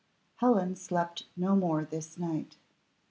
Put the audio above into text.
Helen slept no more this night.